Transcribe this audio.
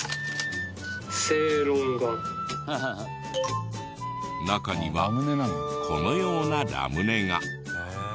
「正論丸」中にはこのようなラムネが。